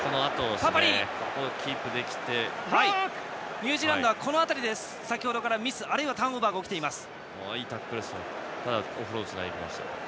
ニュージーランドはこの辺りで先程からミスあるいはターンオーバーが起きています。